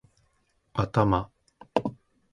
頭